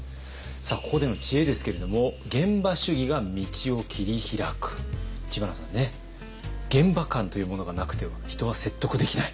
さあここでの知恵ですけれども知花さんね「現場感というものがなくては人は説得できない」。